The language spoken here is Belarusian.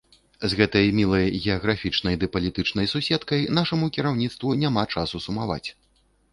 З гэтай мілай геаграфічнай ды палітычнай суседкай нашаму кіраўніцтву няма часу сумаваць.